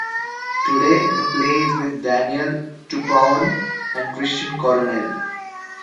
Today the play is with Daniel Tupauan and Christian Coronel.